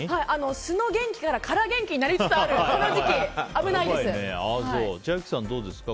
素の元気から空元気になりつつあるこの時期千秋さん、どうですか？